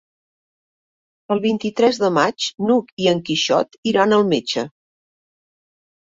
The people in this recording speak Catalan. El vint-i-tres de maig n'Hug i en Quixot iran al metge.